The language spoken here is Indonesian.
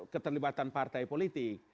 keterlibatan partai politik